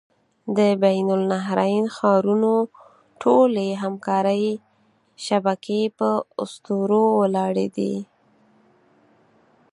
د بین النهرین ښارونو ټولې همکارۍ شبکې په اسطورو ولاړې وې.